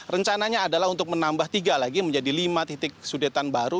rencananya adalah untuk menambah tiga lagi menjadi lima titik sudetan baru